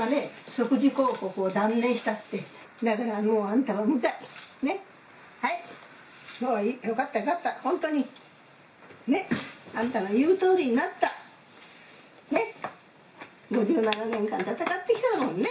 即時抗告を断念したってだからもうあんたは無罪ねっはいよかったよかったほんとにねっあんたの言うとおりになったねっ５７年間闘ってきたもんね